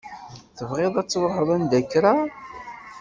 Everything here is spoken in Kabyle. Tebɣiḍ ad truḥeḍ anda kra?